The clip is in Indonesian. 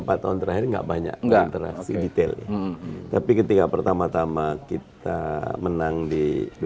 sekarang itu tiga empat tahun terakhir nggak banyak interaksi detail tapi ketika pertama tama kita menang di dua ribu tujuh belas